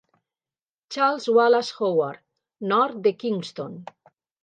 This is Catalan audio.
Charles Wallace Howard, nord de Kingston.